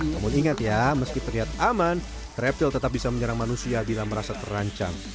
namun ingat ya meski terlihat aman reptil tetap bisa menyerang manusia bila merasa terancam